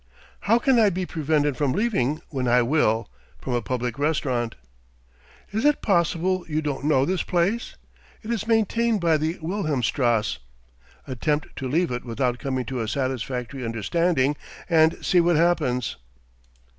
"How can I be prevented from leaving when I will, from a public restaurant?" "Is it possible you don't know this place? It is maintained by the Wilhelmstrasse. Attempt to leave it without coming to a satisfactory understanding, and see what happens."